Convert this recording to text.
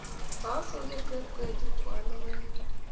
Kawo soget Chepkoech ipkoal logoek